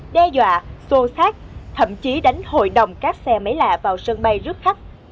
đe dọa xô xác thậm chí đánh hội đồng các xe máy lạ vào sân bay rất khắc